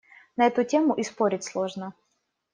На эту тему и спорить сложно.